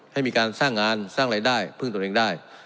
ให้มีการสร้างงานสร้างรายได้พึ่งตัวเองได้